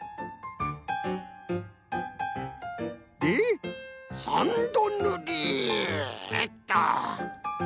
で３どぬりっと！